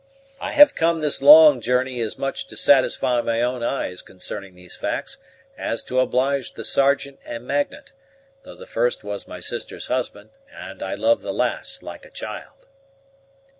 I have come this long journey as much to satisfy my own eyes concerning these facts, as to oblige the Sergeant and Magnet, though the first was my sister's husband, and I love the last like a child."